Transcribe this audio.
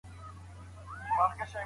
ایا واړه پلورونکي انځر پلوري؟